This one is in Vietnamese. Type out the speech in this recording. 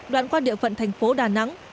đoạn qua địa phận thành phố đà nẵng